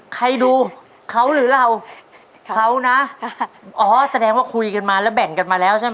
ใครดูเขาหรือเราเขานะอ๋อแสดงว่าคุยกันมาแล้วแบ่งกันมาแล้วใช่ไหม